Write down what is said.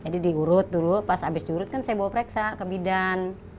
jadi diurut dulu pas habis diurut kan saya bawa periksa ke bidan minum obat